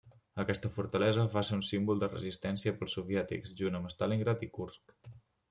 Aquesta fortalesa va ser un símbol de resistència pels soviètics junt amb Stalingrad i Kursk.